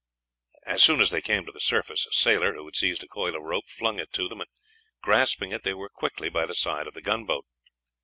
As soon as they came to the surface a sailor, who had seized a coil of rope, flung it to them, and, grasping it, they were quickly by the side of the gunboat.